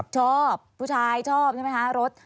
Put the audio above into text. ชอบผู้ชายชอบใช่ไหมคะรถ